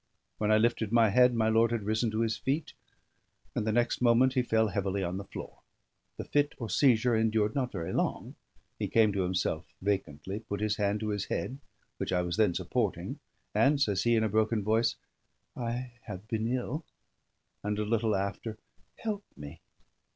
When I lifted my head, my lord had risen to his feet, and the next moment he fell heavily on the floor. The fit or seizure endured not very long; he came to himself vacantly, put his hand to his head, which I was then supporting, and says he, in a broken voice: "I have been ill," and a little after: "Help me."